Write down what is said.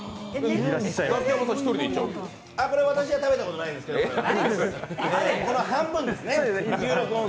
いや、私は食べたことないんですけどこの半分ですね。